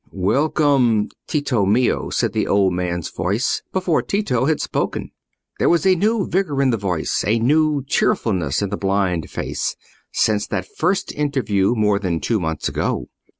"Welcome, Tito mio," said the old man's voice, before Tito had spoken. There was a new vigour in the voice, a new cheerfulness in the blind face, since that first interview more than two months ago.